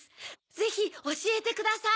ぜひおしえてください。